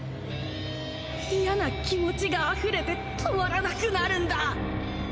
嫌な気持ちが溢れて止まらなくなるんだ。